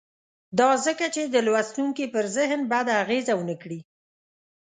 دا ځکه چې د لوستونکي پر ذهن بده اغېزه ونه کړي.